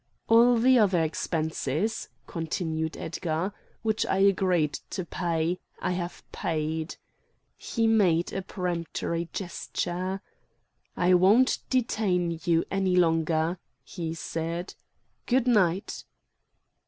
"All the other expenses," continued Edgar, "which I agreed to pay, I have paid." He made a peremptory gesture. "I won't detain you any longer," he said. "Good night!"